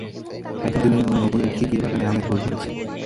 এতদিনে নুরনগরে খিড়কির বাগানে আমের বোল ধরেছে।